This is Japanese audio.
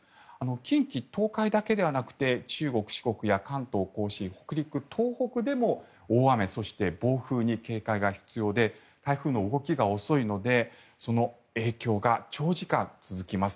近畿・東海だけではなく中国、四国や関東・甲信北陸、東北でも大雨、そして暴風に警戒が必要で台風の動きが遅いのでその影響が長時間続きます。